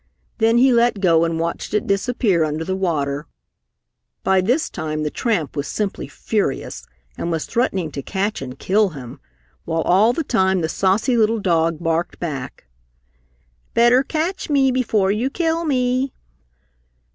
Then he let go and watched it disappear under the water. By this time the tramp was simply furious and was threatening to catch and kill him, while all the time the saucy little dog barked back, "Better catch me before you kill me!"